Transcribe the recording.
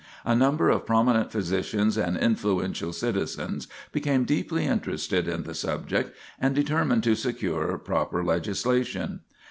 A number of prominent physicians and influential citizens became deeply interested in the subject and determined to secure proper legislation.